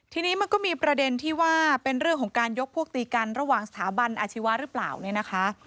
ทีนี้มันก็มีประเด็นที่ว่าเป็นเรื่องของการยกพวกตีกันระหว่างสถาบันอาชีวะหรือเปล่าเนี่ยนะคะ